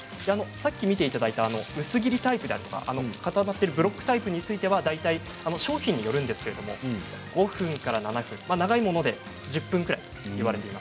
さっき見ていただいた薄切りタイプ固まっているブロックタイプは大体商品によるんですが５分から７分、長いもので１０分ぐらいといわれています。